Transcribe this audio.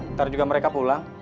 ntar juga mereka pulang